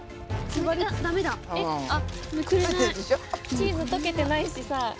チーズ溶けてないしさ。